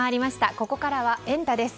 ここからはエンタ！です。